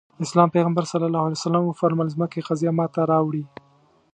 د اسلام پيغمبر ص وفرمايل ځمکې قضيه ماته راوړي.